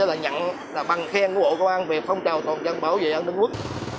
là nhận bằng khen của bộ công an về phong trào toàn dân bảo vệ an ninh quốc